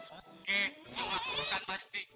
oke itu ngakukan pasti